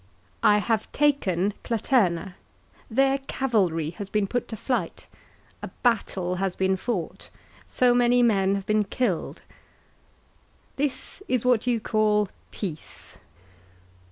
" I have taken Claterna. Their cavalry has been put to flight. A battle has been fought. So many men have been killed. This is what you call peace